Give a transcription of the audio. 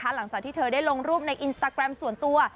หลังจากที่เธอได้ลงรูปในอินสตาแกรมส่วนตัว